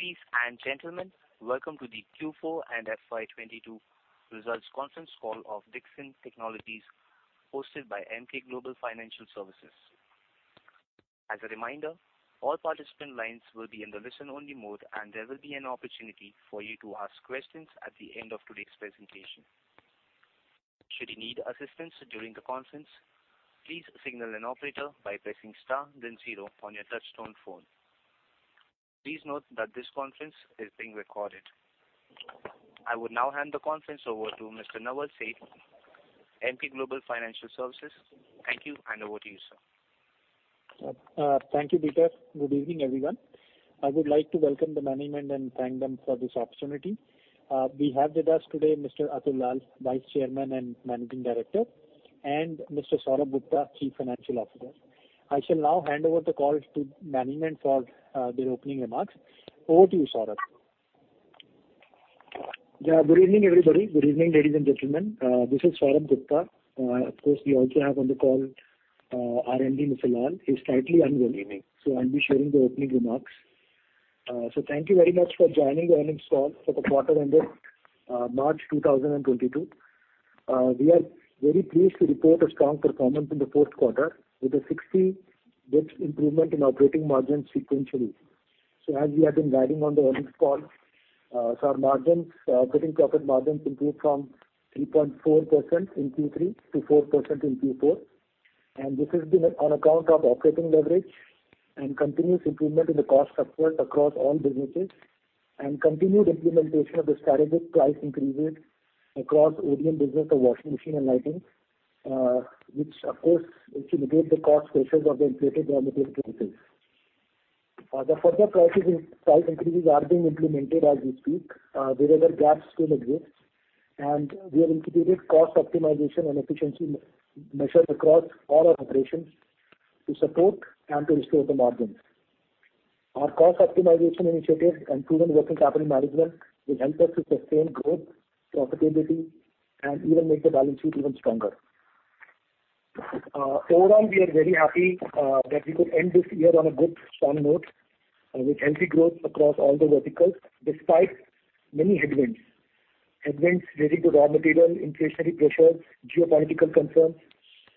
Ladies and gentlemen, welcome to the Q4 and FY22 results conference call of Dixon Technologies hosted by Emkay Global Financial Services. As a reminder, all participant lines will be in the listen-only mode, and there will be an opportunity for you to ask questions at the end of today's presentation. Should you need assistance during the conference, please signal an operator by pressing star then zero on your touchtone phone. Please note that this conference is being recorded. I would now hand the conference over to Mr. Naval Seth, Emkay Global Financial Services. Thank you and over to you, sir. Thank you, Peter. Good evening, everyone. I would like to welcome the management and thank them for this opportunity. We have with us today Mr. Atul Lall, Vice Chairman and Managing Director, and Mr. Saurabh Gupta, Chief Financial Officer. I shall now hand over the call to management for their opening remarks. Over to you, Saurab. Yeah, good evening, everybody. Good evening, ladies and gentlemen. This is Saurabh Gupta. Of course, we also have on the call our MD, Mr. Lall. He's slightly unwell today, so I'll be sharing the opening remarks. Thank you very much for joining the earnings call for the quarter ended March 2022. We are very pleased to report a strong performance in the fourth quarter with a 60 basis points improvement in operating margin sequentially. As we have been guiding on the earnings call, our margins, operating profit margins improved from 3.4% in Q3 to 4% in Q4. This has been on account of operating leverage and continuous improvement in the cost structure across all businesses and continued implementation of the strategic price increases across ODM business of washing machine and lighting, which of course mitigate the cost pressures of the inflated raw material prices. The further price increases are being implemented as we speak, wherever gaps still exist. We are instituting cost optimization and efficiency measures across all our operations to support and to restore the margins. Our cost optimization initiatives and proven working capital management will help us to sustain growth, profitability, and even make the balance sheet even stronger. Overall, we are very happy that we could end this year on a good, strong note, with healthy growth across all the verticals despite many headwinds. Headwinds relating to raw material, inflationary pressures, geopolitical concerns,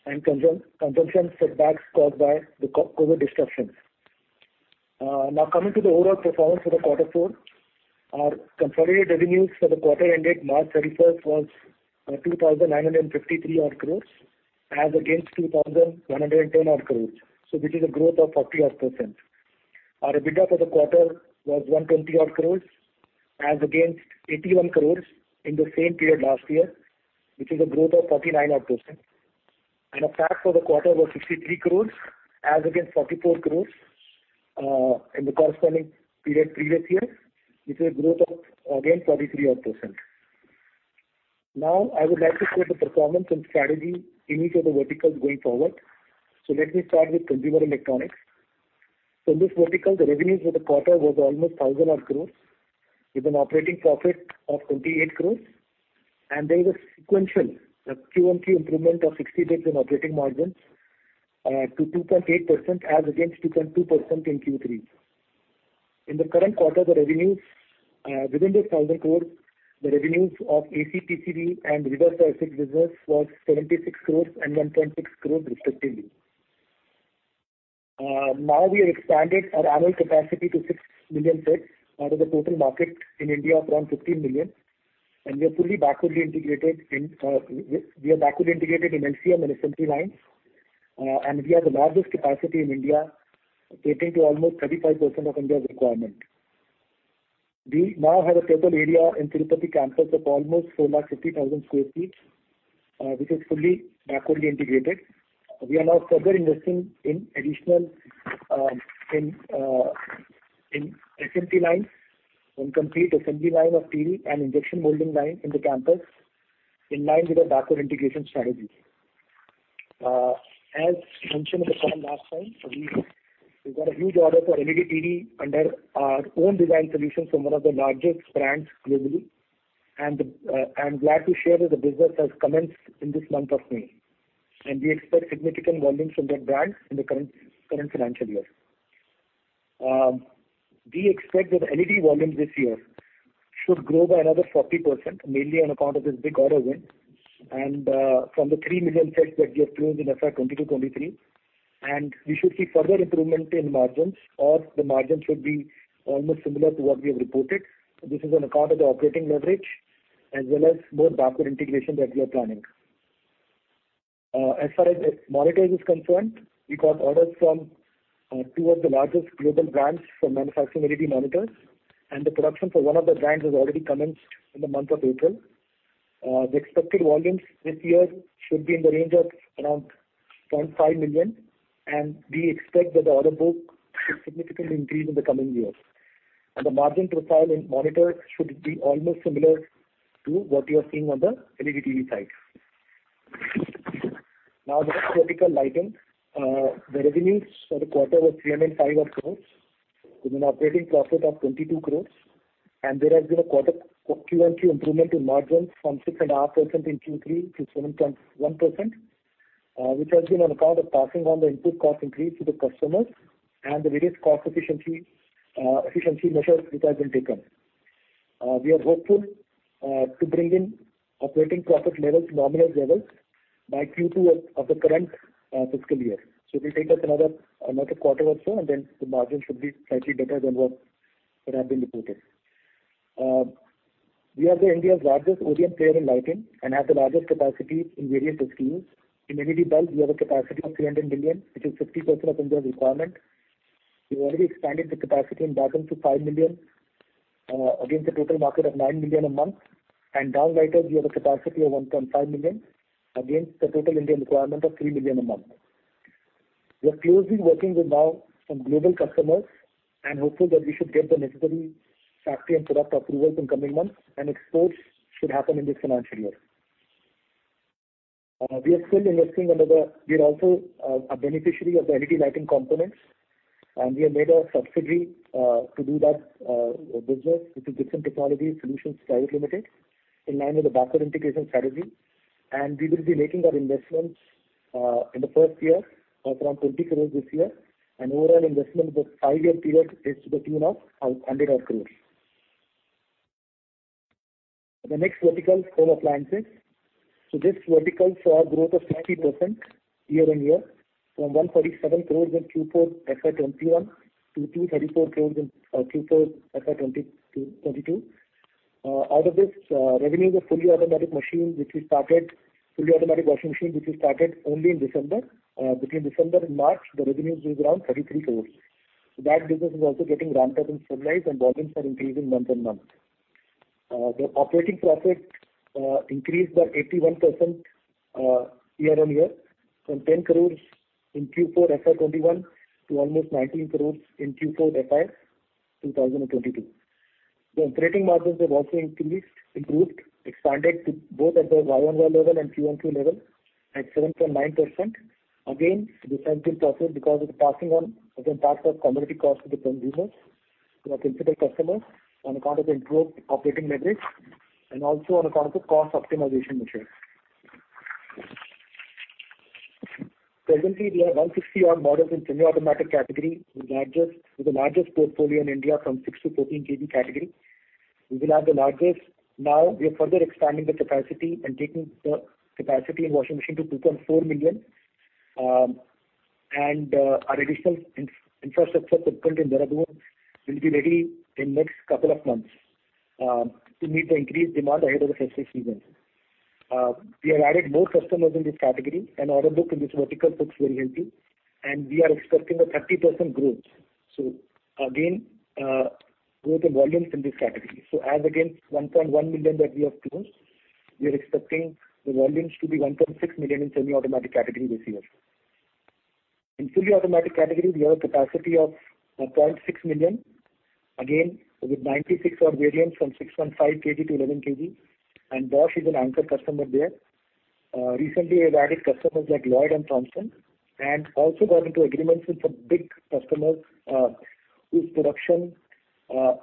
and consumer consumption setbacks caused by the COVID disruptions. Now coming to the overall performance for quarter four, our consolidated revenues for the quarter ended March 31 was 2,953 odd crores as against 2,110 odd crores, which is a growth of 40 odd%. Our EBITDA for the quarter was 120 odd crores as against 81 crores in the same period last year, which is a growth of 49 odd%. Our PAT for the quarter was 63 crores as against 44 crores in the corresponding period previous year, which is a growth of, again, 43 odd%. Now, I would like to share the performance and strategy in each of the verticals going forward. Let me start with consumer electronics. In this vertical, the revenues for the quarter was almost 1,000 crore with an operating profit of 28 crore. There is a sequential quarter-over-quarter improvement of 60 basis points in operating margins to 2.8% as against 2.2% in Q3. In the current quarter, the revenues within this 1,000 crore, the revenues of AC, TV and reverse cyclic business was 76 crore and 1.6 crore respectively. Now we have expanded our annual capacity to 6 million sets out of the total market in India of around 15 million, and we are fully backwardly integrated in LCM and SMT lines. We have the largest capacity in India catering to almost 35% of India's requirement. We now have a total area in the Tirupati campus of almost 450,000 sq ft, which is fully backwardly integrated. We are now further investing in additional SMT lines, one complete assembly line of TV and injection molding line in the campus in line with our backward integration strategy. As mentioned in the call last time, we got a huge order for LED TV under our own design solutions from one of the largest brands globally. I'm glad to share that the business has commenced in this month of May, and we expect significant volumes from that brand in the current financial year. We expect that LED volumes this year should grow by another 40%, mainly on account of this big order win and from the 3 million sets that we have planned in FY 2022-23. We should see further improvement in margins or the margins should be almost similar to what we have reported. This is on account of the operating leverage as well as more backward integration that we are planning. As far as monitors is concerned, we got orders from two of the largest global brands for manufacturing LED monitors, and the production for one of the brands has already commenced in the month of April. The expected volumes this year should be in the range of around 0.5 million, and we expect that the order book should significantly increase in the coming years. The margin profile in monitors should be almost similar to what you are seeing on the LED TV side. Now the next vertical, lighting. The revenues for the quarter was 305 odd crores with an operating profit of 22 crores. There has been a Q-on-Q improvement in margins from 6.5% in Q3 to 7.1%, which has been on account of passing on the input cost increase to the customers and the various cost efficiency measures which have been taken. We are hopeful to bring in operating profit levels, nominal levels by Q2 of the current fiscal year. It'll take us another quarter or so, and then the margins should be slightly better than what have been reported. We are India's largest OEM player in lighting and has the largest capacity in various SKUs. In LED bulbs, we have a capacity of 300 million, which is 50% of India's requirement. We've already expanded the capacity in battens to 5 million against a total market of 9 million a month. Downlighters we have a capacity of 1.5 million against the total Indian requirement of 3 million a month. We are closely working with now some global customers and hopeful that we should get the necessary factory and product approvals in coming months, and exports should happen in this financial year. We are still investing under the We are also a beneficiary of the LED lighting components, and we have made a subsidiary to do that business with the Dixon Display Solutions Private Limited in line with the backward integration strategy. We will be making our investments in the first year of around 20 crores this year. Overall investment over five-year period is to the tune of 100 odd crores. The next vertical is home appliances. This vertical saw a growth of 50% year-on-year from 147 crores in Q4 FY 2021 to 234 crores in Q4 FY 2022. Out of this, revenues of fully automatic washing machine which we started only in December. Between December and March, the revenues were around 33 crores. That business is also getting ramped up and stabilized, and volumes are increasing month-on-month. The operating profit increased by 81% year-on-year from 10 crore in Q4 FY 2021 to almost 19 crore in Q4 FY 2022. The operating margins have also increased, improved, expanded to both at the Y on Y level and Q on Q level at 7.9%. Again, the same thing process because of the passing on of the impact of commodity costs to the consumers, to our principal customers on account of the improved operating metrics and also on account of the cost optimization measures. Presently we have 160-odd models in semi-automatic category, the largest, with the largest portfolio in India from six-14 kg category. We will have the largest. Now we are further expanding the capacity and taking the capacity in washing machine to 2.4 million. Our additional infrastructure built in Noida will be ready in next couple of months to meet the increased demand ahead of the festive season. We have added more customers in this category, and order book in this vertical looks very healthy, and we are expecting a 30% growth. Again, growth in volumes in this category. As against 1.1 million that we have closed, we are expecting the volumes to be 1.6 million in semi-automatic category this year. In fully automatic category, we have a capacity of 0.6 million. Again, with 96-odd variants from 6.5 kg to 11 kg, and Bosch is an anchor customer there. Recently we've added customers like Lloyd and Thomson, and also got into agreements with some big customers, whose production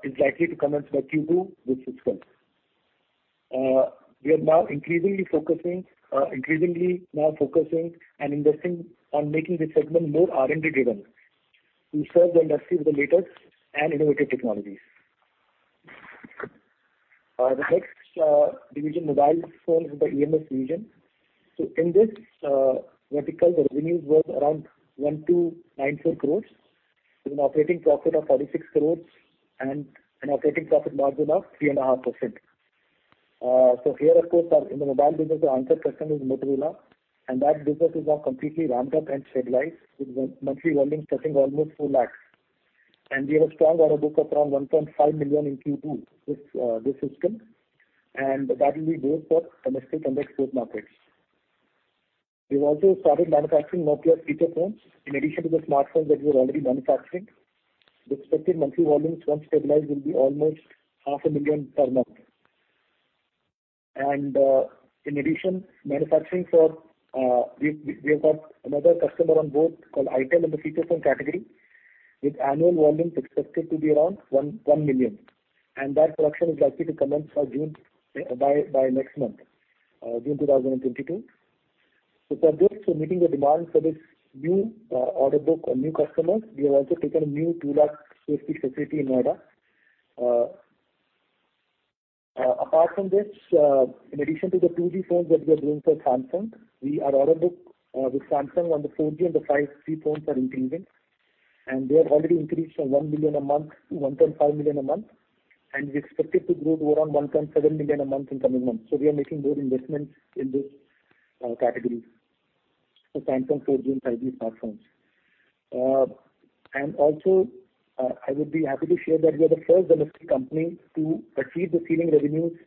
is likely to commence by Q2 this fiscal. We are now increasingly focusing and investing on making this segment more R&D driven to serve the industry with the latest and innovative technologies. The next division, mobile phones or the EMS region. In this vertical, the revenues were around 1,294 crores with an operating profit of 46 crores and an operating profit margin of 3.5%. Here of course, in the mobile business our anchor customer is Motorola, and that business is now completely ramped up and stabilized, with the monthly volumes touching almost 400,000. We have a strong order book of around 1.5 million in Q2 this fiscal, and that will be both for domestic and export markets. We've also started manufacturing Nokia feature phones in addition to the smartphone that we are already manufacturing. The expected monthly volumes once stabilized will be almost half a million per month. In addition, we have got another customer on board called itel in the feature phone category, with annual volumes expected to be around 1 million. That production is likely to commence by next month, June 2022. Meeting the demand for this new order book or new customers, we have also taken a new 2 lakh sq ft facility in Noida. Apart from this, in addition to the 2G phones that we are doing for Samsung, our order book with Samsung on the 4G and the 5G phones is increasing. They have already increased from 1 million a month to 1.5 million a month, and we expect it to grow to around 1.7 million a month in coming months. We are making more investments in this category for Samsung 4G and 5G smartphones. I would be happy to share that we are the first domestic company to achieve the ceiling revenues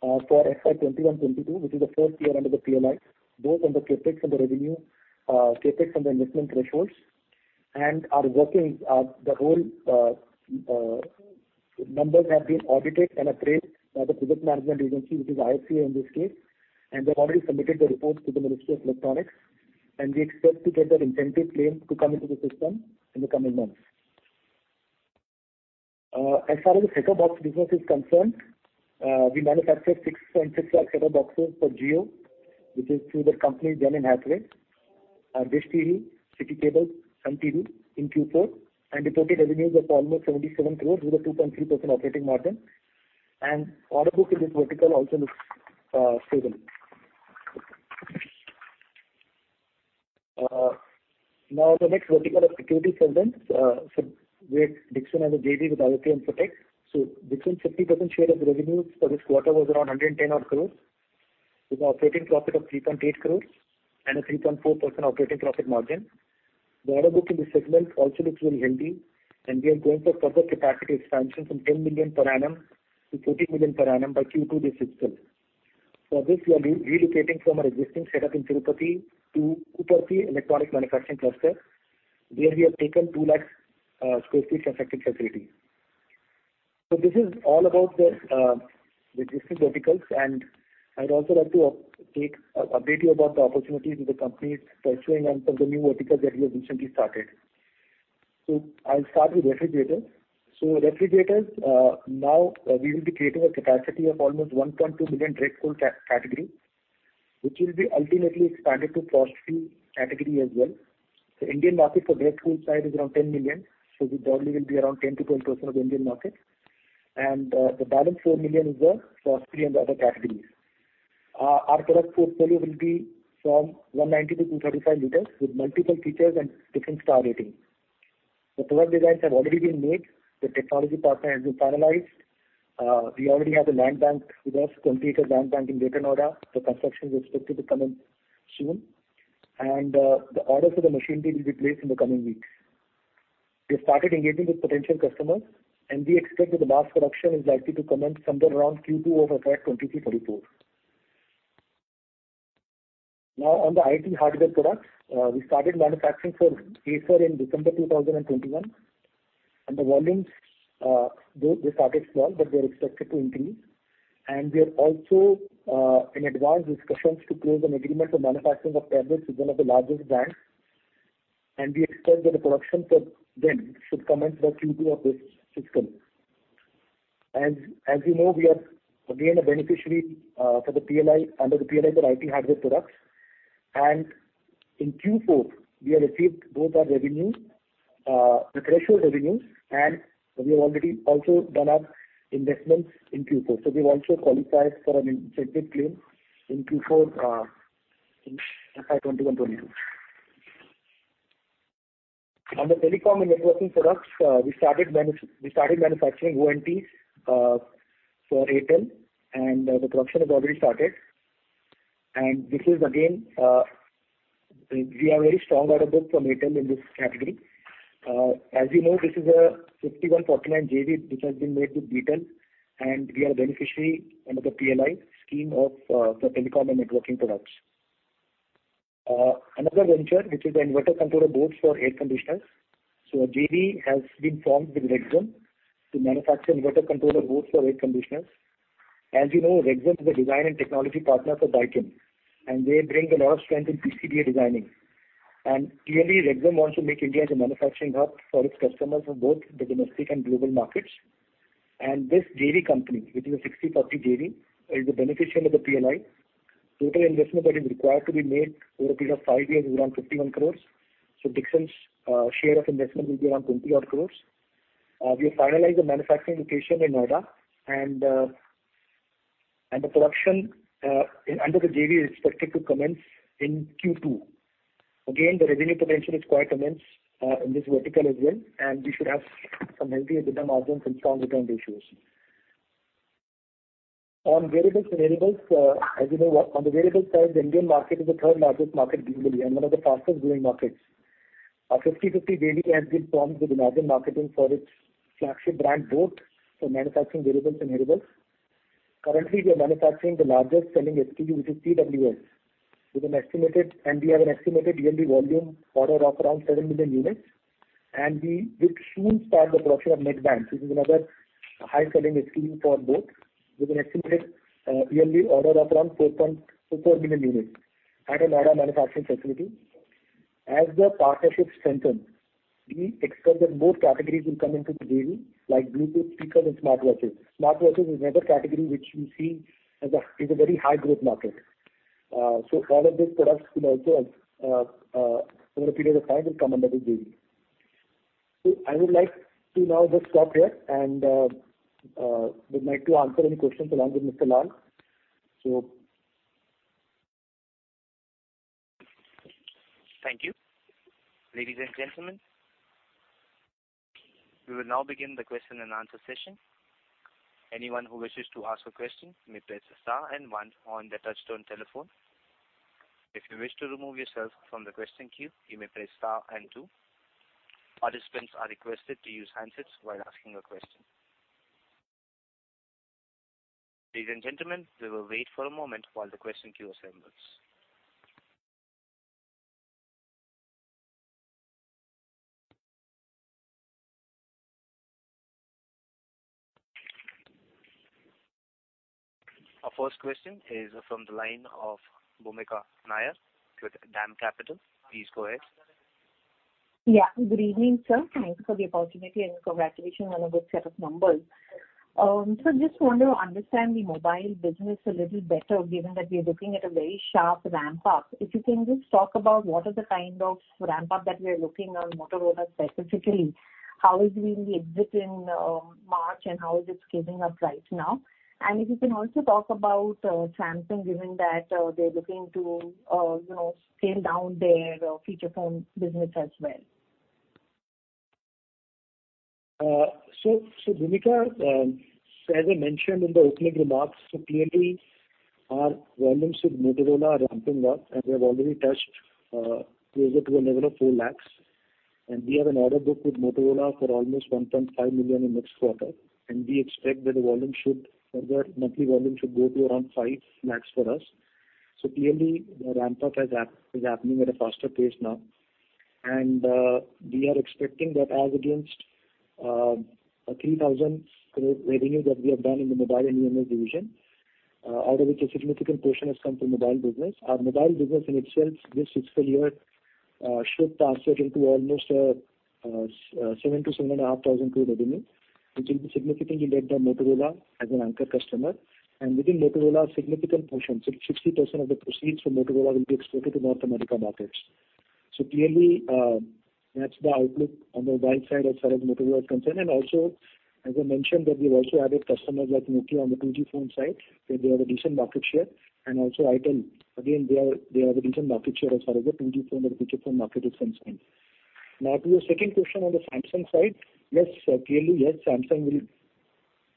for FY 2021-22, which is the first year under the PLI, both on the CapEx and the revenue, CapEx and the investment thresholds. Numbers have been audited and appraised by the project management agency, which is IFCI in this case. They've already submitted the report to the Ministry of Electronics and Information Technology. We expect to get that incentive claim to come into the system in the coming months. As far as the set-top box business is concerned, we manufactured 6.6 lakh set-top boxes for Jio, which is through their company, Jio Hathway. And Dish TV, Siti Cable, Sun TV in Q4. The total revenues was almost 77 crores with a 2.3% operating margin. Order book in this vertical also looks stable. Now the next vertical is security segments, so we at Dixon has a JV with Aditya Infotech and Protect. Dixon's 50% share of the revenues for this quarter was around 110 odd crores, with an operating profit of 3.8 crores and a 3.4% operating profit margin. The order book in this segment also looks really healthy, and we are going for further capacity expansion from 10 million per annum to 14 million per annum by Q2 this fiscal. For this, we are relocating from our existing setup in Tirupati to Kuppam Electronic Manufacturing Cluster, where we have taken 2 lakhs sq ft of factory facility. This is all about the existing verticals, and I'd also like to update you about the opportunities that the company is pursuing under the new verticals that we have recently started. I'll start with refrigerators. Refrigerators, now, we will be creating a capacity of almost 1.2 million direct cool category, which will be ultimately expanded to frost-free category as well. The Indian market for direct cool size is around 10 million, so we probably will be around 10-10% of the Indian market. The balance 4 million is the frost-free and the other categories. Our product portfolio will be from 190-235 liters with multiple features and different star rating. The product designs have already been made. The technology partner has been finalized. We already have a land bank with us, completed land bank in Greater Noida. The construction is expected to commence soon. The orders for the machinery will be placed in the coming weeks. We have started engaging with potential customers, and we expect that the mass production is likely to commence somewhere around Q2 of FY 2024. Now on the IT hardware products, we started manufacturing for Acer in December 2021. The volumes, they started small, but they are expected to increase. We are also in advanced discussions to close an agreement for manufacturing of tablets with one of the largest banks. We expect that the production for them should commence by Q2 of this fiscal. As you know, we are again a beneficiary for the PLI, under the PLI for IT hardware products. In Q4, we have received both our revenues, the threshold revenues, and we have already also done our investments in Q4. We've also qualified for an incentive claim in Q4 in FY 2021-22. On the telecom and networking products, we started manufacturing ONTs for Airtel, and the production has already started. This is again, we have very strong order book from Airtel in this category. As you know, this is a 51-49 JV which has been made with Airtel, and we are a beneficiary under the PLI scheme of the telecom and networking products. Another venture, which is the inverter controller boards for air conditioners. A JV has been formed with Rexxam to manufacture inverter controller boards for air conditioners. As you know, Rexxam is a design and technology partner for Daikin, and they bring a lot of strength in PCB designing. Clearly, Rexxam wants to make India as a manufacturing hub for its customers for both the domestic and global markets. This JV company, which is a 60/40 JV, is a beneficiary of the PLI. Total investment that is required to be made over a period of five years is around 51 crore. Dixon's share of investment will be around 20 crore. We have finalized the manufacturing location in Noida and the production under the JV is expected to commence in Q2. Again, the revenue potential is quite immense in this vertical as well, and we should have some healthy EBITDA margins and strong return ratios. On wearables and hearables, as you know, on the wearables side, the Indian market is the third-largest market globally and one of the fastest-growing markets. Our 50-50 JV has been formed with Imagine Marketing for its flagship brand, boAt, for manufacturing wearables and hearables. Currently, we are manufacturing the largest-selling SKU, which is TWS, with an estimated yearly volume order of around 7 million units. We will soon start the production of neckbands, which is another high-selling SKU for boAt, with an estimated yearly order of around 4 million units at our Noida manufacturing facility. As the partnership strengthens, we expect that more categories will come into the JV, like Bluetooth speakers and smartwatches. Smartwatches is another category which we see as a very high-growth market. All of these products will also, over a period of time, come under the JV. I would like to now just stop here and would like to answer any questions along with Mr. Lall. Thank you. Ladies and gentlemen, we will now begin the question and answer session. Anyone who wishes to ask a question may press star and one on their touchtone telephone. If you wish to remove yourself from the question queue, you may press star and two. Participants are requested to use handsets while asking a question. Ladies and gentlemen, we will wait for a moment while the question queue assembles. Our first question is from the line of Bhoomika Nair with DAM Capital. Please go ahead. Yeah. Good evening, sir. Thanks for the opportunity, and congratulations on a good set of numbers. Just want to understand the mobile business a little better, given that we are looking at a very sharp ramp up. If you can just talk about what are the kind of ramp up that we are looking on Motorola specifically, how we in the exit in March and how it scaling up right now? If you can also talk about Samsung, given that they're looking to you know, scale down their feature phone business as well. Bhoomika, as I mentioned in the opening remarks, clearly our volumes with Motorola are ramping up, and we have already touched closer to a level of 4 lakh. We have an order book with Motorola for almost 1.5 million in next quarter. We expect that the volume should or their monthly volume should go to around 5 lakh for us. Clearly the ramp up has happening at a faster pace now. We are expecting that as against a 3,000 crore revenue that we have done in the mobile and EMS division, out of which a significant portion has come from mobile business. Our mobile business in itself this fiscal year should translate into almost 7,000-7,500 crore revenue, which will be significantly led by Motorola as an anchor customer. Within Motorola, a significant portion, 60% of the proceeds from Motorola will be exported to North America markets. Clearly, that's the outlook on the mobile side as far as Motorola is concerned. Also, as I mentioned that we've also added customers like Nokia on the 2G phone side, where they have a decent market share. Also, Itel. Again, they have a decent market share as far as the 2G phone and the feature phone market is concerned. Now to your second question on the Samsung side. Yes, clearly, yes, Samsung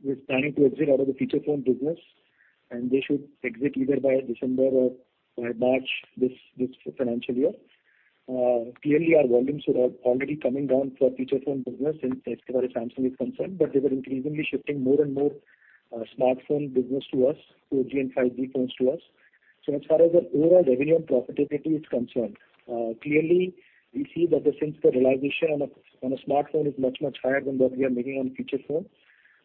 is planning to exit out of the feature phone business, and they should exit either by December or by March this financial year. Clearly our volumes are already coming down for feature phone business in as far as Samsung is concerned, but they were increasingly shifting more and more smartphone business to us, 4G and 5G phones to us. As far as the overall revenue and profitability is concerned, clearly we see that the SIMs, the realization on a smartphone is much, much higher than what we are making on feature phones.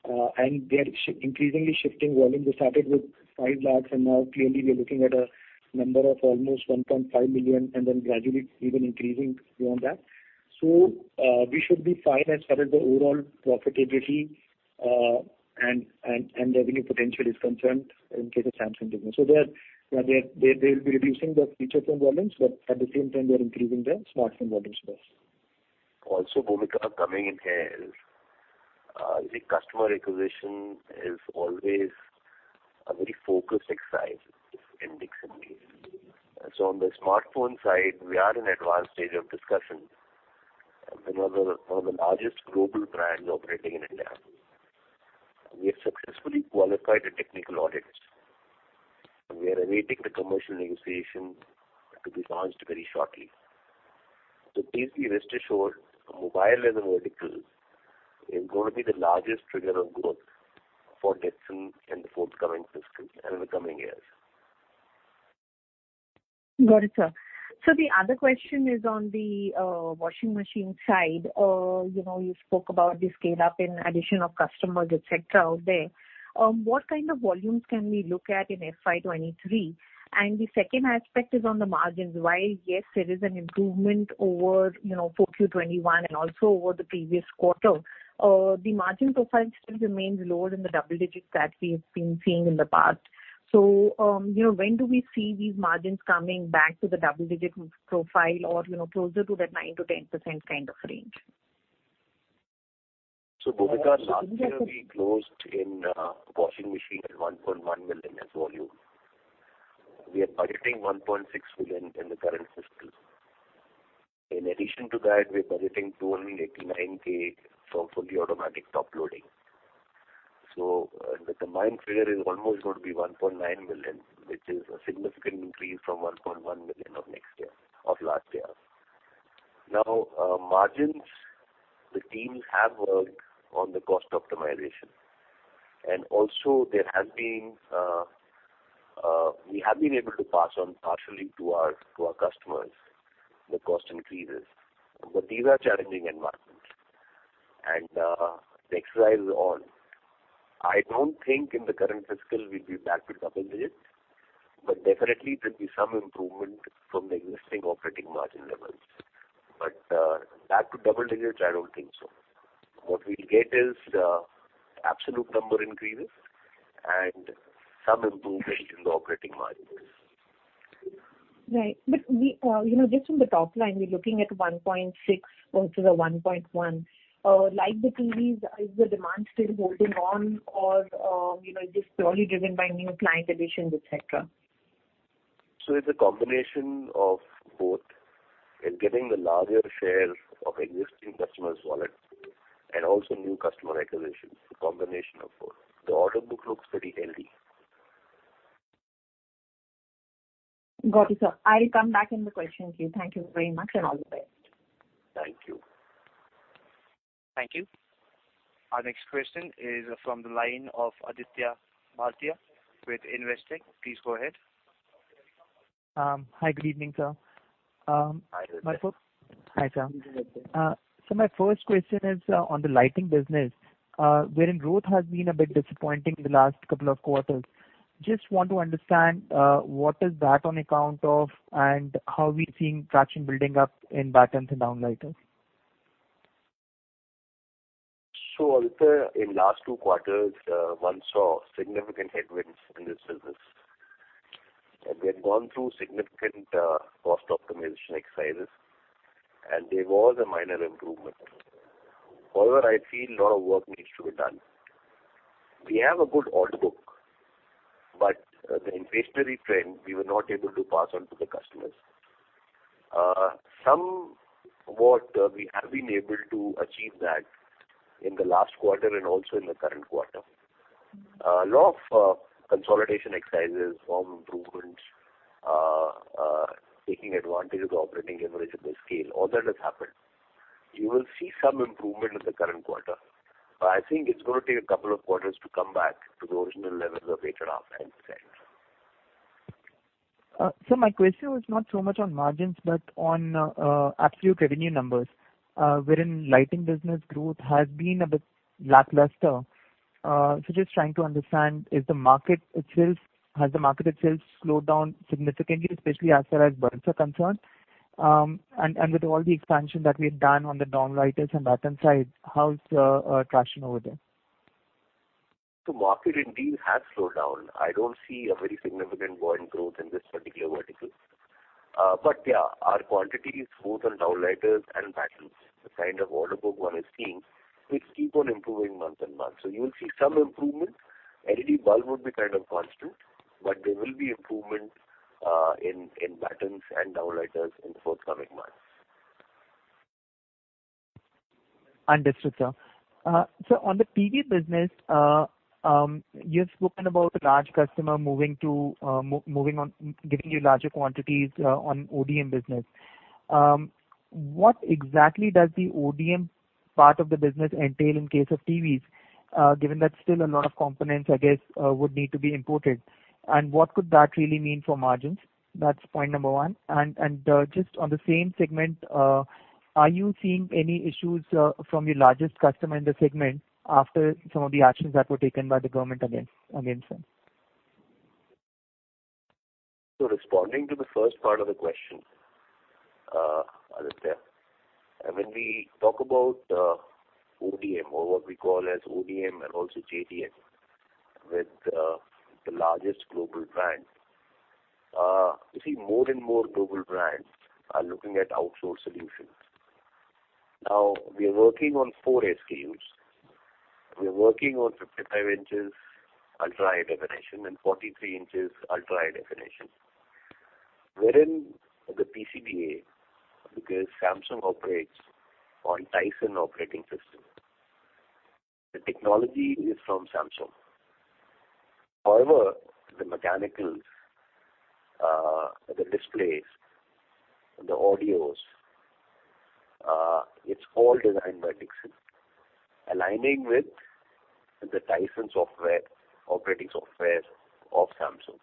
They are increasingly shifting volumes. They started with 5 lakhs, and now clearly we are looking at a number of almost 1.5 million, and then gradually even increasing beyond that. We should be fine as far as the overall profitability, and revenue potential is concerned in case of Samsung business. They'll be reducing their feature phone volumes, but at the same time, they are increasing their smartphone volumes to us. Bhoomika, the customer acquisition is always a very focused exercise in Dixon case. On the smartphone side, we are in advanced stage of discussion with one of the largest global brands operating in India. We have successfully qualified the technical audits, and we are awaiting the commercial negotiation to be launched very shortly. Please be rest assured, mobile as a vertical is going to be the largest trigger of growth for Dixon in the forthcoming fiscal and in the coming years. Got it, sir. The other question is on the washing machine side. You know, you spoke about the scale up and addition of customers, et cetera, out there. What kind of volumes can we look at in FY 2023? The second aspect is on the margins. While, yes, there is an improvement over, you know, 4Q 2021 and also over the previous quarter. The margin profile still remains lower than the double digits that we've been seeing in the past. You know, when do we see these margins coming back to the double digit profile or, you know, closer to that 9%-10% kind of range? Bhoomika, last year we closed in washing machine at 1.1 million as volume. We are budgeting 1.6 million in the current fiscal. In addition to that, we're budgeting 289K for fully automatic top loading. The combined figure is almost going to be 1.9 million, which is a significant increase from 1.1 million of last year. Now, margins, the teams have worked on the cost optimization. Also there has been we have been able to pass on partially to our customers the cost increases. These are challenging environments. The exercise is on. I don't think in the current fiscal we'll be back with double digits, but definitely there'll be some improvement from the existing operating margin levels back to double digits, I don't think so. What we'll get is, absolute number increases and some improvement in the operating margins. Right. We, you know, just from the top line, we're looking at 1.6 versus a 1.1. Like the TVs, is the demand still holding on? Or, you know, is this purely driven by new client additions, et cetera? It's a combination of both. It's getting the larger share of existing customers' wallets and also new customer acquisitions. It's a combination of both. The order book looks pretty healthy. Got it, sir. I'll come back in the questions queue. Thank you very much and all the best. Thank you. Thank you. Our next question is from the line of Aditya Bhartia with Investec. Please go ahead. Hi, good evening, sir. Hi, Aditya. Hi, sir. Good evening, Aditya. My first question is on the lighting business, wherein growth has been a bit disappointing in the last couple of quarters. Just want to understand what is that on account of, and how are we seeing traction building up in battens and downlighters. Aditya, in last two quarters, one saw significant headwinds in this business. We had gone through significant cost optimization exercises, and there was a minor improvement. However, I feel a lot of work needs to be done. We have a good order book, but the inflationary trend, we were not able to pass on to the customers. Somewhat, we have been able to achieve that in the last quarter and also in the current quarter. A lot of consolidation exercises, improvements, taking advantage of operating leverage and the scale, all that has happened. You will see some improvement in the current quarter. I think it's gonna take a couple of quarters to come back to the original levels of 8.5% and 10%. My question was not so much on margins, but on absolute revenue numbers, wherein lighting business growth has been a bit lackluster. Just trying to understand, has the market itself slowed down significantly, especially as far as bulbs are concerned? With all the expansion that we have done on the downlighters and batten sides, how's traction over there? The market indeed has slowed down. I don't see a very significant volume growth in this particular vertical. Yeah, our quantities, both on downlighters and battens, the kind of order book one is seeing, will keep on improving month-on-month. You will see some improvement. LED bulb would be kind of constant, but there will be improvement in battens and downlighters in the forthcoming months. Understood, sir. On the TV business, you've spoken about a large customer moving to giving you larger quantities on ODM business. What exactly does the ODM part of the business entail in case of TVs, given that still a lot of components, I guess, would need to be imported? And what could that really mean for margins? That's point number one. Just on the same segment, are you seeing any issues from your largest customer in the segment after some of the actions that were taken by the government against them? Responding to the first part of the question, Aditya, and when we talk about ODM or what we call as ODM and also JDM with the largest global brand, you see more and more global brands are looking at outsourced solutions. Now, we are working on four SKUs. We are working on 55 inches ultra high definition and 43 inches ultra high definition. Wherein the PCBA, because Samsung operates on Tizen operating system, the technology is from Samsung. However, the mechanicals, the displays, the audios, it's all designed by Dixon, aligning with the Tizen software, operating software of Samsung.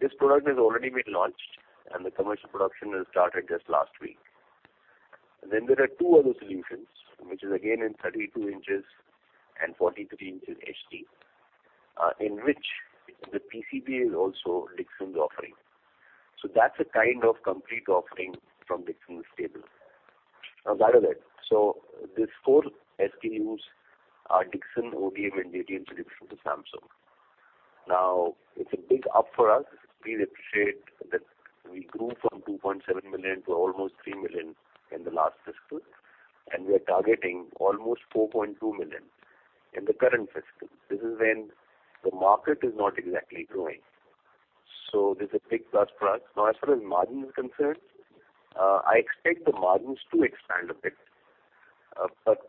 This product has already been launched and the commercial production has started just last week. Then there are two other solutions, which is again in 32 inches and 43 inches HD, in which the PCBA is also Dixon's offering. That's a kind of complete offering from Dixon's stable. Barring that, these four SKUs are Dixon ODM and JDM solution to Samsung. It's a big win for us. Please appreciate that we grew from 2.7 million to almost 3 million in the last fiscal, and we are targeting almost 4.2 million in the current fiscal. This is when the market is not exactly growing. This is a big plus for us. As far as margin is concerned, I expect the margins to expand a bit.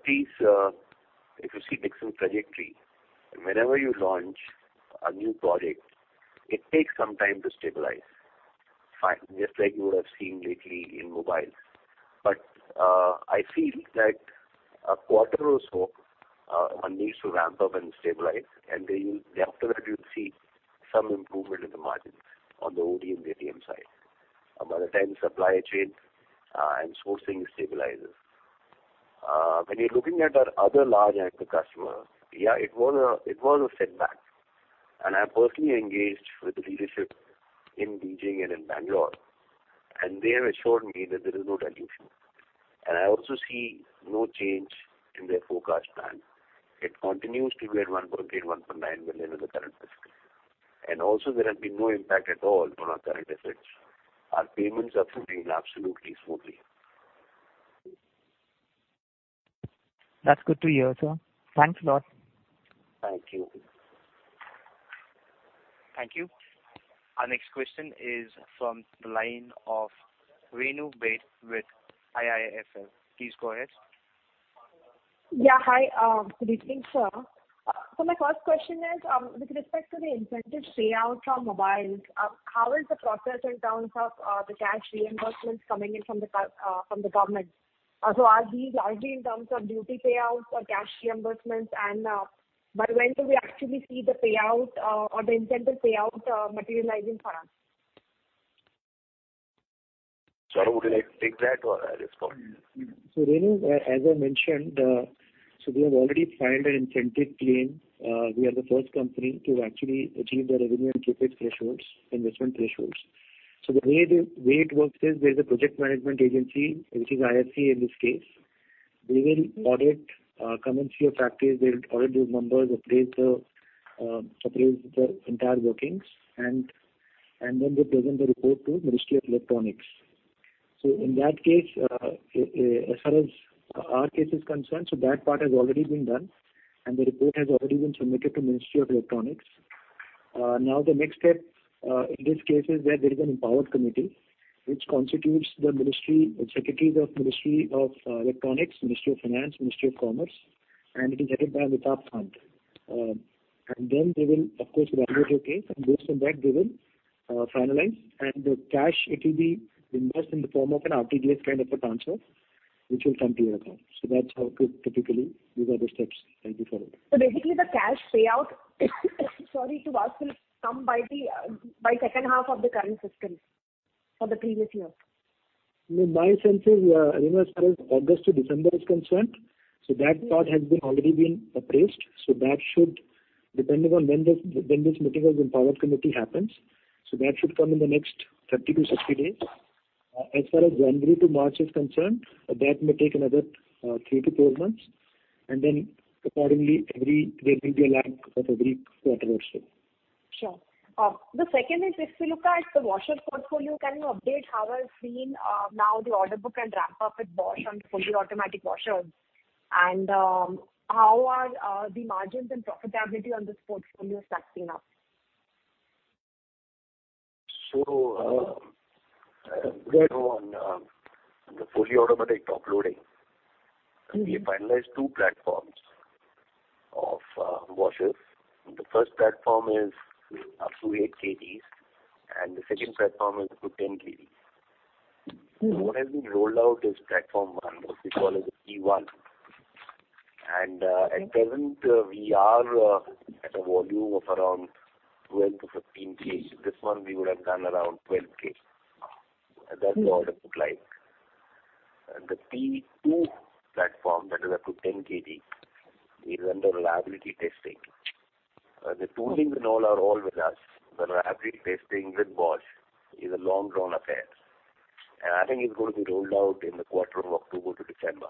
Please, if you see Dixon's trajectory, whenever you launch a new project, it takes some time to stabilize. Fine. Just like you would have seen lately in mobiles. I feel that a quarter or so, one needs to ramp up and stabilize, and then after that you'll see some improvement in the margin on the ODM/JDM side. By the time supply chain and sourcing stabilizes. When you're looking at our other large anchor customer, yeah, it was a setback. I personally engaged with the leadership in Beijing and in Bangalore, and they have assured me that there is no dilution. I also see no change in their forecast plan. It continues to be at 1.8-1.9 million in the current fiscal. Also there has been no impact at all on our current efforts. Our payments are flowing absolutely smoothly. That's good to hear, sir. Thanks a lot. Thank you. Thank you. Our next question is from the line of Renu Baid with IIFL. Please go ahead. Yeah. Hi. Good evening, sir. My first question is, with respect to the incentive payout from mobiles, how is the process in terms of the cash reimbursements coming in from the government? Are these largely in terms of duty payouts or cash reimbursements and, by when do we actually see the payout, or the incentive payout, materializing for us? Saurabh, would you like to take that or I just go? Renu, as I mentioned, we have already filed an incentive claim. We are the first company to actually achieve the revenue and CapEx thresholds, investment thresholds. The way it works is there's a project management agency, which is IFC in this case. They will audit, come and see your factories. They'll audit your numbers, appraise the entire workings and then they present the report to Ministry of Electronics. In that case, as far as our case is concerned, that part has already been done and the report has already been submitted to Ministry of Electronics. Now the next step in this case is where there is an empowered committee which constitutes the ministry, secretaries of Ministry of Electronics, Ministry of Finance, Ministry of Commerce, and it is headed by Amitabh Kant. Then they will of course evaluate your case, and based on that they will finalize. The cash, it will be reimbursed in the form of an RTGS kind of a transfer, which will come to your account. That's how it goes typically. These are the steps going forward. Basically, the cash payout, sorry, to us will come by the second half of the current fiscal for the previous year. My sense is, Renu, as far as August to December is concerned, that part has already been appraised. That should, depending on when this meeting of the empowered committee happens, come in the next 30-60 days. As far as January to March is concerned, that may take another three to four months. Then accordingly, there will be a lag every quarter or so. Sure. The second is if we look at the washer portfolio, can you update how it's going now, the order book and ramp up with Bosch on fully automatic washers? How are the margins and profitability on this portfolio stacking up? Renu, on the fully automatic top loading, we have finalized 2 platforms of washers. The first platform is up to 8 kgs, and the second platform is up to 10 kgs. What has been rolled out is platform 1, which we call as T1. At present, we are at a volume of around 12-15 kgs. This one we would have done around 12 kg. That's the order book like. The T2 platform that is up to 10 kg is under reliability testing. The toolings and all are with us. The reliability testing with Bosch is a long drawn affair. I think it's going to be rolled out in the quarter of October to December.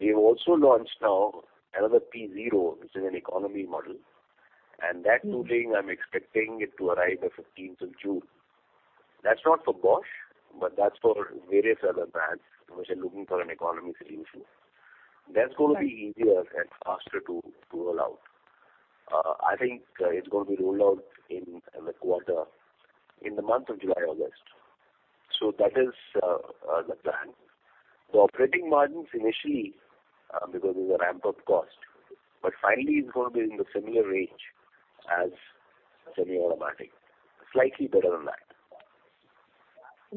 We have also launched now another T0, which is an economy model. That tooling, I'm expecting it to arrive by 15th of June. That's not for Bosch, but that's for various other brands which are looking for an economy solution. That's going to be easier and faster to roll out. I think it's going to be rolled out in the quarter, in the month of July, August. That is the plan. The operating margins initially, because there's a ramp-up cost, but finally it's going to be in the similar range as semiautomatic. Slightly better than that.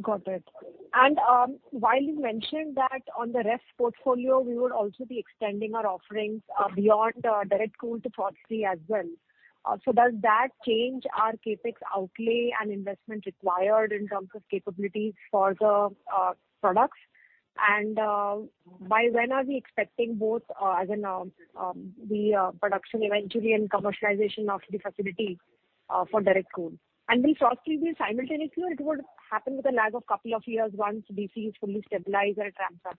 Got it. While you mentioned that on the ref portfolio, we would also be extending our offerings beyond direct cool to frost free as well. Does that change our CapEx outlay and investment required in terms of capabilities for the products? By when are we expecting both production eventually and commercialization of the facility for direct cool? Will frost free be simultaneously or it would happen with a lag of couple of years once DC is fully stabilized at ramp up?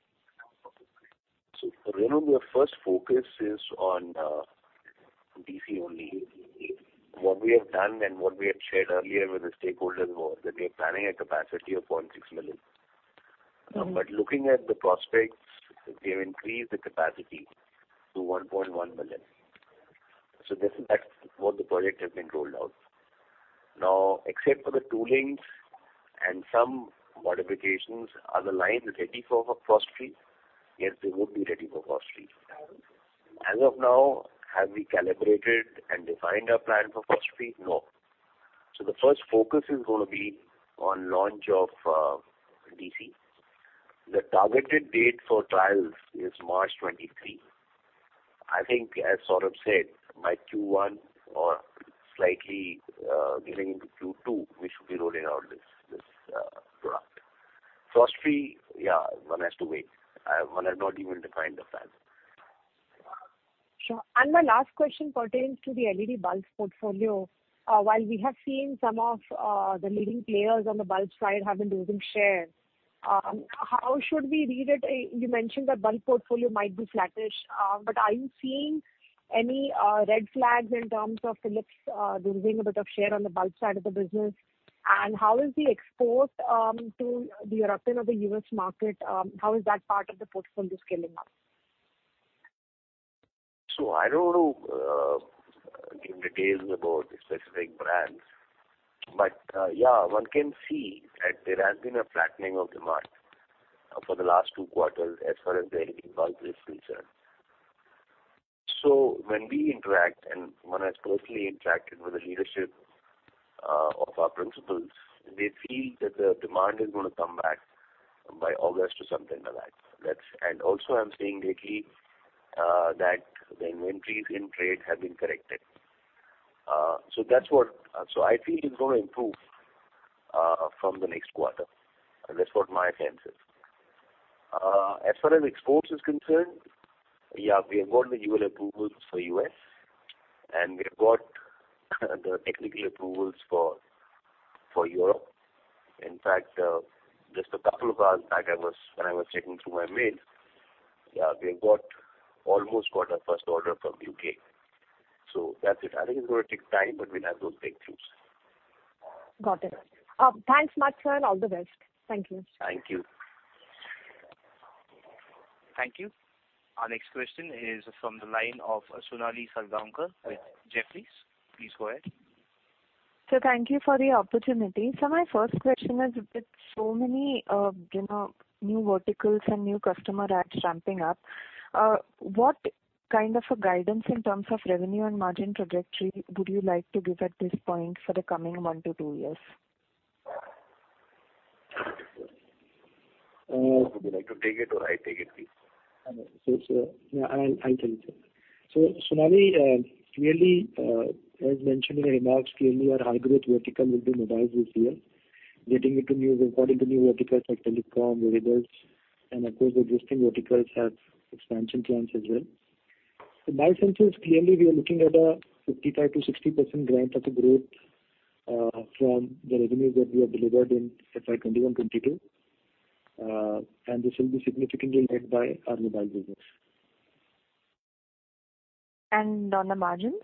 Renu, your first focus is on DC only. What we have done and what we had shared earlier with the stakeholders was that we are planning a capacity of 0.6 million. Looking at the prospects, we have increased the capacity to 1.1 million. This is what the project has been rolled out. Now, except for the toolings and some modifications, are the lines ready for frost free? Yes, they would be ready for frost free. As of now, have we calibrated and defined our plan for frost free? No. The first focus is gonna be on launch of DC. The targeted date for trials is March 2023. I think as Saurabh said, by Q1 or slightly giving into Q2, we should be rolling out this product. Frost free, yeah, one has to wait. One has not even defined the plan. Sure. My last question pertains to the LED bulbs portfolio. While we have seen some of the leading players on the bulbs side have been losing share, how should we read it? You mentioned that bulb portfolio might be flattish, but are you seeing any red flags in terms of Philips losing a bit of share on the bulb side of the business? How is the export to the European or the U.S. market, how is that part of the portfolio scaling up? I don't want to give details about the specific brands, but yeah, one can see that there has been a flattening of demand for the last two quarters as far as the LED bulb is concerned. When we interact, and one has closely interacted with the leadership of our principals, they feel that the demand is gonna come back by August to September. I'm seeing lately that the inventories in trade have been corrected. I feel it's gonna improve from the next quarter. That's what my sense is. As far as exports is concerned, yeah, we have got the UL approvals for U.S., and we have got the technical approvals for Europe. In fact, just a couple of hours back, when I was checking through my mail, yeah, we almost got our first order from U.K. That's it. I think it's gonna take time, but we'll have those breakthroughs. Got it. Thanks much, sir. All the best. Thank you. Thank you. Thank you. Our next question is from the line of Sonali Salgaonkar with Jefferies. Please go ahead. Sir, thank you for the opportunity. My first question is, with so many new verticals and new customer adds ramping up, what kind of a guidance in terms of revenue and margin trajectory would you like to give at this point for the coming 1-2 years? Would you like to take it or I take it, please? Sir, yeah, I'll take it. Sonali, clearly, as mentioned in the remarks, clearly our high-growth vertical will be mobiles this year. According to new verticals like telecom, wearables, and of course, the existing verticals have expansion plans as well. My sense is clearly we are looking at a 55%-60% run rate of growth from the revenues that we have delivered in FY 2021/2022. This will be significantly led by our mobile business. On the margins?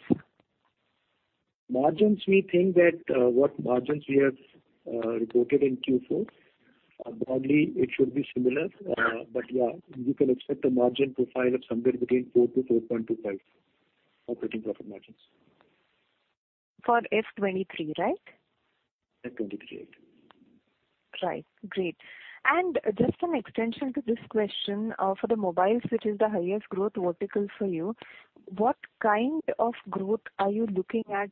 Margins, we think that what margins we have reported in Q4, broadly it should be similar. Yeah, you can expect a margin profile of somewhere between 4%-4.25% operating profit margins. For FY 23, right? FY 2023, right. Right. Great. Just an extension to this question, for the mobiles, which is the highest growth vertical for you, what kind of growth are you looking at,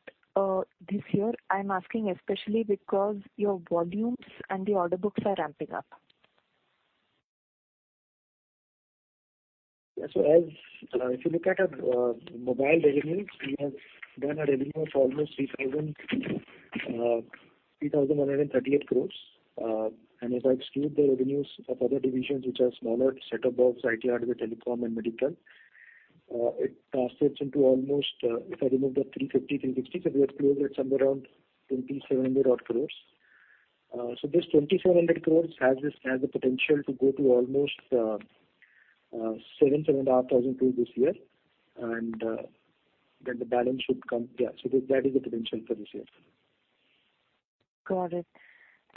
this year? I'm asking especially because your volumes and the order books are ramping up. If you look at our mobile revenues, we have done a revenue of almost 3,138 crores. If I exclude the revenues of other divisions which are smaller, set-top box, IT hardware, telecom and medical, it translates into almost, if I remove the 350, 360, so we have closed at somewhere around 2,700 odd crores. This 2,700 crores has the potential to go to almost 7-7.5 thousand crores this year. Then the balance should come. That is the potential for this year. Got it.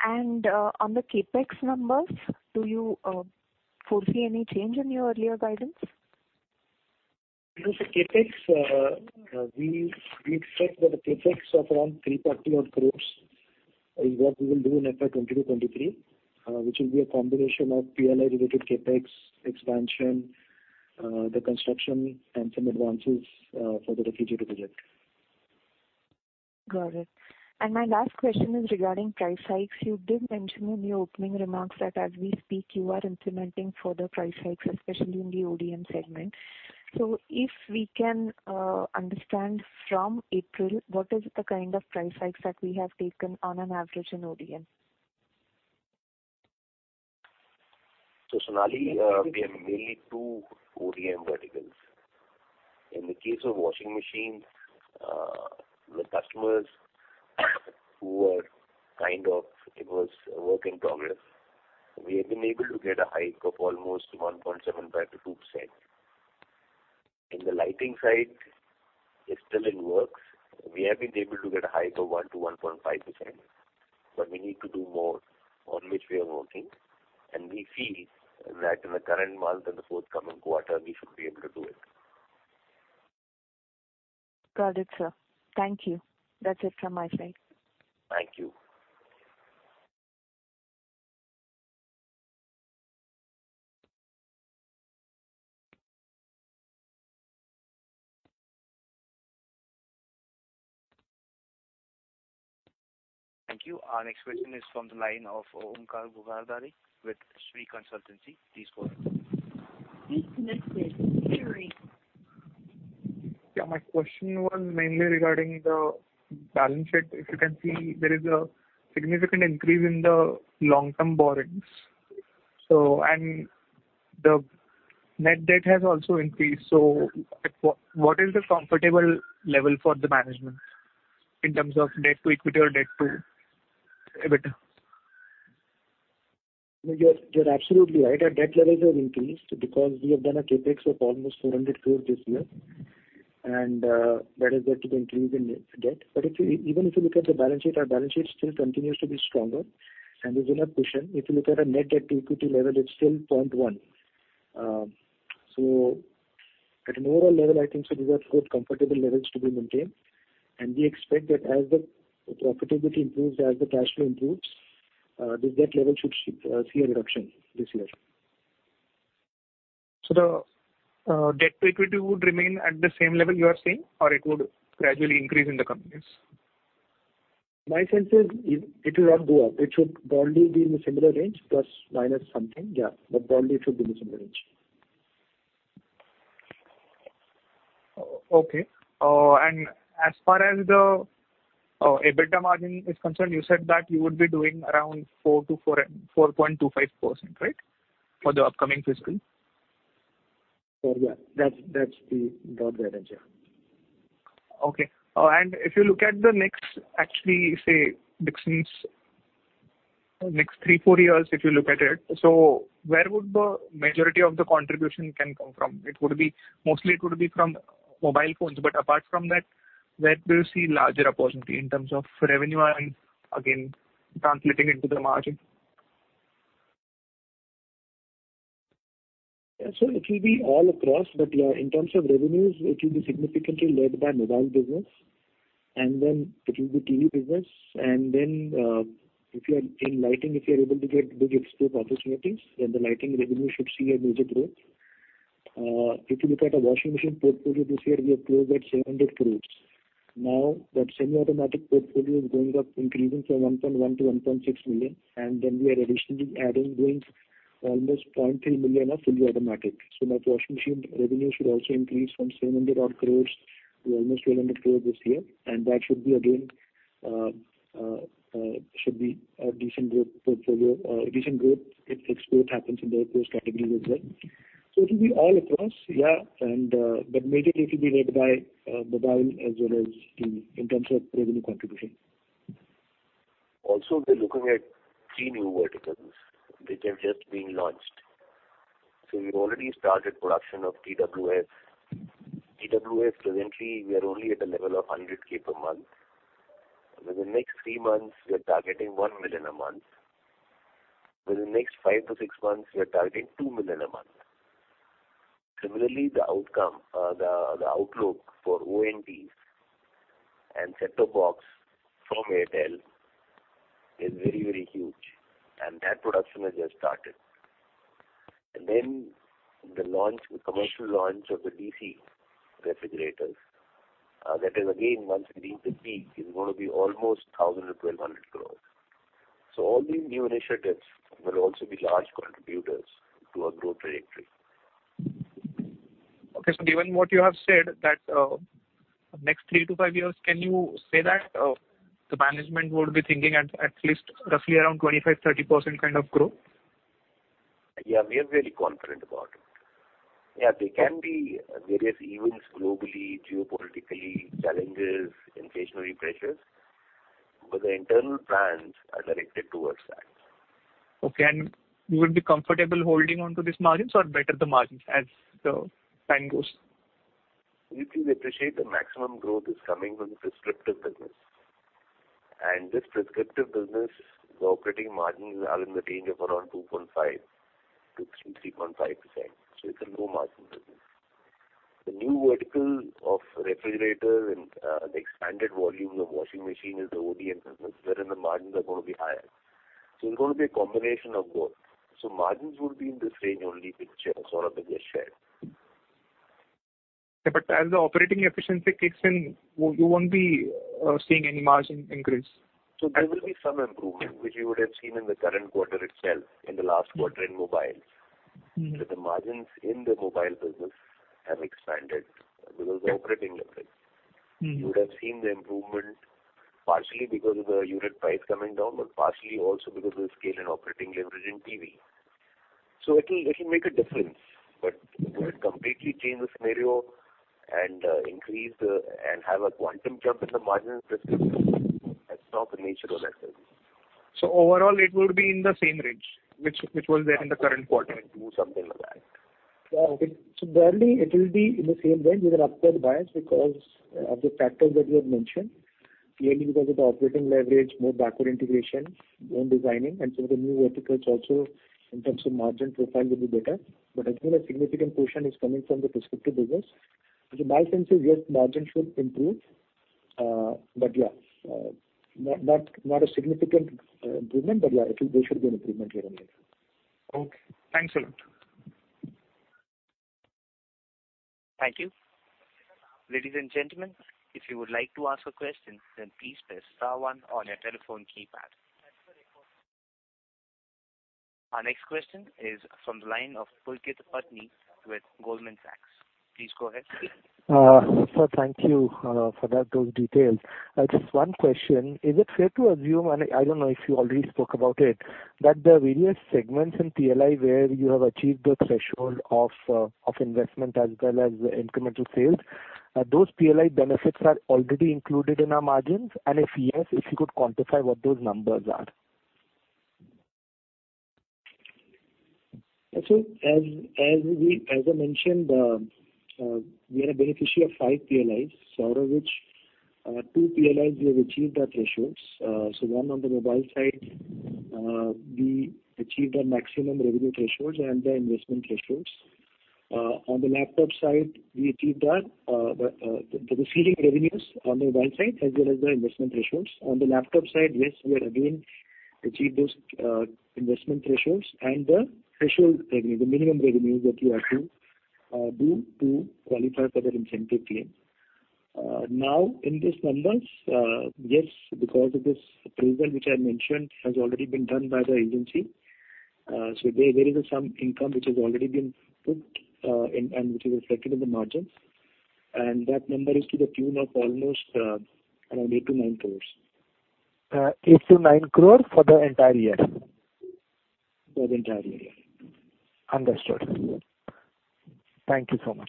On the CapEx numbers, do you foresee any change in your earlier guidance? CapEx, we expect that the CapEx of around 330-odd crores is what we will do in FY 2022/2023, which will be a combination of PLI-related CapEx expansion, the construction and some advances, for the refrigerator project. Got it. My last question is regarding price hikes. You did mention in your opening remarks that as we speak, you are implementing further price hikes, especially in the ODM segment. If we can understand from April, what is the kind of price hikes that we have taken on an average in ODM? Sonali, we have mainly two ODM verticals. In the case of the washing machine, the customers who are kind of, it was a work in progress. We have been able to get a hike of almost 1.75%-2%. In the lighting side, it's still in works. We have been able to get a hike of 1%-1.5%, but we need to do more on which we are working. We feel that in the current month and the forthcoming quarter we should be able to do it. Got it, sir. Thank you. That's it from my side. Thank you. Thank you. Our next question is from the line of Omkar Gogadare with Sri Consultancy. Please go ahead. Yeah, my question was mainly regarding the balance sheet. If you can see, there is a significant increase in the long-term borrowings. The net debt has also increased. What is the comfortable level for the management in terms of debt to equity or debt to EBITDA? You're absolutely right. Our debt levels have increased because we have done a CapEx of almost 400 crore this year, and that has led to the increase in net debt. Even if you look at the balance sheet, our balance sheet still continues to be stronger and is in our cushion. If you look at our net debt to equity level, it's still 0.1. At an overall level, I think so these are both comfortable levels to be maintained, and we expect that as the profitability improves, as the cash flow improves, the debt level should see a reduction this year. The debt to equity would remain at the same level you are saying, or it would gradually increase in the coming years? My sense is it will not go up. It should broadly be in the similar range, plus minus something, yeah. Broadly, it should be in the similar range. Okay. As far as the EBITDA margin is concerned, you said that you would be doing around 4%-4.25% for the upcoming fiscal, right? Yeah. That's about the range, yeah. Okay. If you look at the next, actually, say, Dixon's next 3-4 years, if you look at it, where would the majority of the contribution can come from? It would be. Mostly it would be from mobile phones. Apart from that, where do you see larger opportunity in terms of revenue and again translating into the margin? Yeah. It will be all across, but, yeah, in terms of revenues, it will be significantly led by mobile business, and then it will be TV business. If you are in lighting, if you are able to get big export opportunities, then the lighting revenue should see a major growth. If you look at our washing machine portfolio this year, we have closed at 700 crore. Now, that semi-automatic portfolio is going up, increasing from 1.1 to 1.6 million, and then we are additionally adding, doing almost 0.3 million of fully automatic. Now washing machine revenue should also increase from 700-odd crore to almost 1,200 crore this year. That should be again a decent growth portfolio, decent growth if export happens in those categories as well. It will be all across. Yeah. Majorly it will be led by mobile as well as TV in terms of revenue contribution. Also, we're looking at three new verticals which have just been launched. We've already started production of TWS. TWS presently we are only at a level of 100K per month. Within next three months, we are targeting 1 million a month. Within the next five to six months, we are targeting 2 million a month. Similarly, the outlook for ONT and set-top box from Airtel is very, very huge, and that production has just started. Then the commercial launch of the DC refrigerators, that is again once it reaches peak, is gonna be almost 1,000-1,200 crores. All these new initiatives will also be large contributors to our growth trajectory. Okay. Given what you have said that, next three to five years, can you say that, the management would be thinking at least roughly around 25%-30% kind of growth? Yeah. We are very confident about it. Yeah. There can be various events globally, geopolitically, challenges, inflationary pressures, but the internal plans are directed towards that. Okay. You would be comfortable holding on to these margins or better the margins as the time goes? You see, appreciate the maximum growth is coming from the OEM business. This OEM business, the operating margins are in the range of around 2.5%-3.5%. It's a low margin business. The new vertical of refrigerator and the expanded volume of washing machine is the ODM business wherein the margins are gonna be higher. It's gonna be a combination of both. Margins will be in this range only, which Saurabh has just shared. Yeah. As the operating efficiency kicks in, you won't be seeing any margin increase? There will be some improvement which you would have seen in the current quarter itself, in the last quarter in mobile. Mm-hmm. The margins in the mobile business have expanded because of operating leverage. Mm-hmm. You would have seen the improvement partially because of the unit price coming down, but partially also because of the scale and operating leverage in TV. It'll make a difference. To completely change the scenario and have a quantum jump in the margins OEM business, that's not the nature of that business. Overall it would be in the same range which was there in the current quarter? Something like that. Yeah. Broadly it will be in the same range with an upward bias because of the factors that you have mentioned. Clearly because of the operating leverage, more backward integration, own designing, and some of the new verticals also in terms of margin profile will be better. Again, a significant portion is coming from the OEM business. My sense is, yes, margin should improve, but yeah, not a significant improvement, but yeah, there should be an improvement here and there. Okay. Thanks a lot. Thank you. Ladies and gentlemen, if you would like to ask a question, then please press star one on your telephone keypad. Our next question is from the line of Pulkit Patni with Goldman Sachs. Please go ahead. Sir, thank you for that, those details. Just one question. Is it fair to assume, and I don't know if you already spoke about it, that the various segments in PLI where you have achieved the threshold of investment as well as incremental sales, those PLI benefits are already included in our margins? If yes, if you could quantify what those numbers are. As I mentioned, we are a beneficiary of five PLIs, out of which, two PLIs we have achieved our thresholds. One on the mobile side, we achieved our maximum revenue thresholds and the investment thresholds. On the laptop side, we achieved our ceiling revenues on the one side as well as the investment thresholds. On the laptop side, yes, we are again achieved those investment thresholds and the threshold revenue, the minimum revenue that you have to do to qualify for the incentive claim. Now in these numbers, yes, because of this approval which I mentioned has already been done by the agency. There is some income which has already been put, and which is reflected in the margins, and that number is to the tune of almost around 8 crore-9 crore. 8 crore-9 crore for the entire year? For the entire year. Understood. Thank you so much.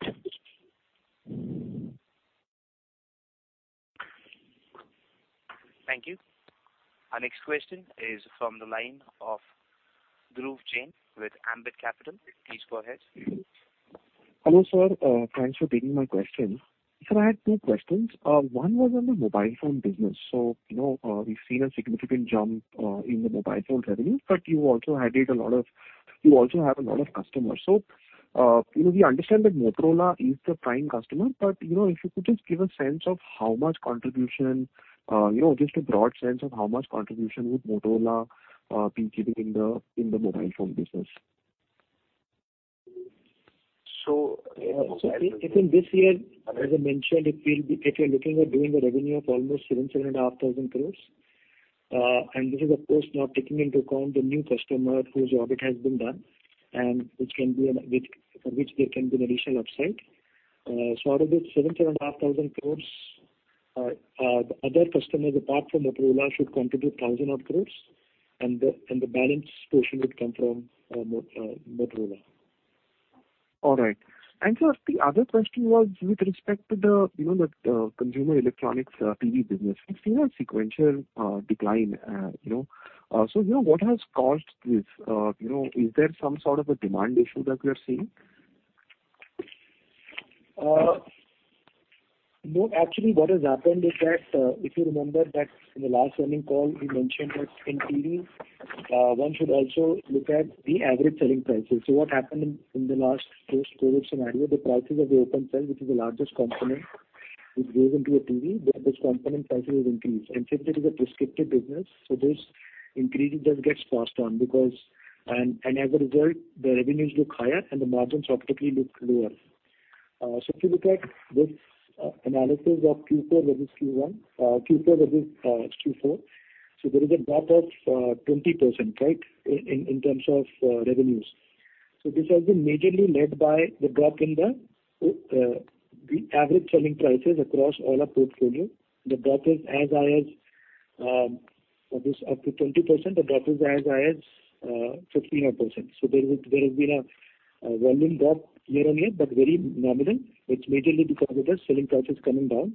Thank you. Our next question is from the line of Dhruv Jain with Ambit Capital. Please go ahead. Hello, sir. Thanks for taking my question. Sir, I had two questions. One was on the mobile phone business. You know, we've seen a significant jump in the mobile phone revenue, but you also have a lot of customers. You know, we understand that Motorola is the prime customer, but you know, if you could just give a sense of how much contribution, you know, just a broad sense of how much contribution would Motorola be giving in the mobile phone business. I think this year, as I mentioned, it will be, if you're looking at doing the revenue of almost 7,000-7,500 crores. This is of course now taking into account the new customer whose audit has been done and for which there can be an additional upside. Out of this 7,000-7,500 crores, the other customers apart from Motorola should contribute 1,000-odd crores. The balance portion would come from Motorola. All right. Sir, the other question was with respect to the, you know, the consumer electronics TV business. We've seen a sequential decline, you know. What has caused this? You know, is there some sort of a demand issue that we are seeing? No. Actually, what has happened is that, if you remember that in the last earnings call we mentioned that in TV, one should also look at the average selling prices. What happened in the last post-COVID scenario, the prices of the open cell, which is the largest component which goes into a TV, this component prices have increased. Since it is an OEM business, this increase does get passed on. As a result, the revenues look higher and the margins optically look lower. If you look at this analysis of Q4 versus Q1, Q4 versus Q4, there is a drop of 20%, right, in terms of revenues. This has been majorly led by the drop in the average selling prices across all our portfolio. The drop is as high as up to 20%. The drop is as high as 15 odd %. There has been a volume drop year-on-year, but very nominal. It's majorly because of the selling prices coming down.